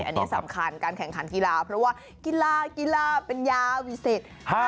อันนี้สำคัญการแข่งขันกีฬาเพราะว่ากีฬากีฬาเป็นยาวิสิทธิ์